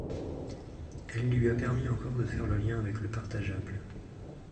Elle lui a permis encore de faire le lien avec le partageable.